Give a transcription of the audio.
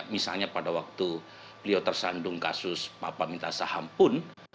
misalnya pada waktu beliau tersandung kasus papa minta saham pun